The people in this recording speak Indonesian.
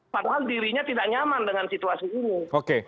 padahal dirinya tidak nyaman dengan situasi ini